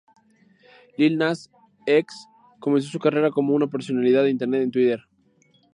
Lil Nas X comenzó su carrera como una personalidad de internet en Twitter.